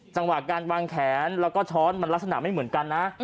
จังหวะการวางแขนแล้วก็ช้อนมันลักษณะไม่เหมือนกันนะ